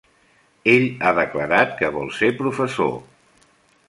Ell ha declarat que vol ser professor.